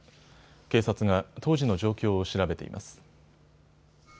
警察が当時の状況を調べています。